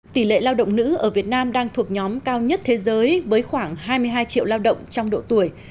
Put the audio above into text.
tỷ lệ lao động nữ ở việt nam đang thuộc nhóm cao nhất thế giới với khoảng hai mươi hai triệu lao động trong độ tuổi